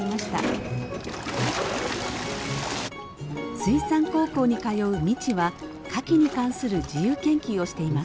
水産高校に通う未知はカキに関する自由研究をしています。